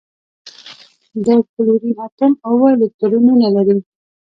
د کلورین اتوم اوه الکترونونه لري.